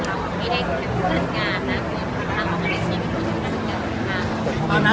หรือว่าร้อยทุกร้อยอ่ะก็ต้องมีกระทูเสียงความสิ่งที่มันเทียบมากกว่า